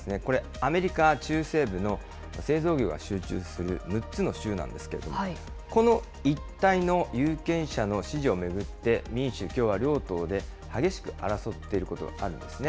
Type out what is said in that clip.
アメリカ中西部の製造業が集中する６つの州なんですけれども、この一帯の有権者の支持を巡って、民主、共和両党で激しく争っていることがあるんですね。